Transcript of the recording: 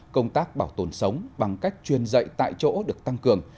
công tác bảo tồn sống bằng cách truyền dạy tại chỗ được tăng cường